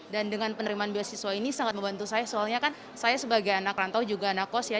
dan dengan penerimaan beasiswa ini sangat membantu saya soalnya kan saya sebagai anak rantau juga anak kos ya